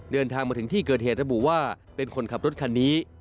เดินทางมาถึงที่เกิดเหตุระบุว่าเป็นคนขับรถคันนี้